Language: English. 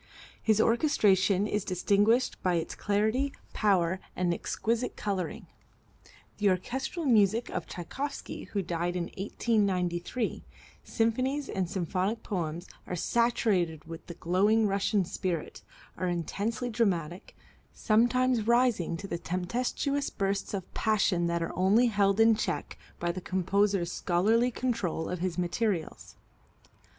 His orchestration is distinguished by its clarity, power and exquisite coloring. The orchestral music of Tschaikowsky, who died in 1893, symphonies and symphonic poems, are saturated with the glowing Russian spirit, are intensely dramatic, sometimes rising to tempestuous bursts of passion that are only held in check by the composer's scholarly control of his materials.